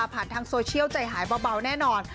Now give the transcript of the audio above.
ทางโซเชียลใจหายเบาแน่นอน